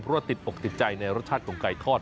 เพราะว่าติดอกติดใจในรสชาติของไก่ทอด